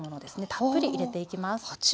たっぷり入れていきます。